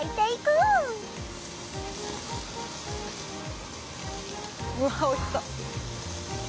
うわおいしそう。